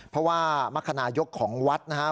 เพราะว่ามักขนายกของวัดนะฮะ